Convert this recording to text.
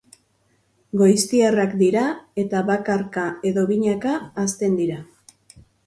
Goiztiarrak dira eta bakarka edo binaka hazten dira.